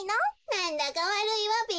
なんだかわるいわべ。